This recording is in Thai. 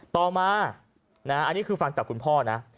ต่อมาอันนี้คือฟังจากคุณพ่อนะ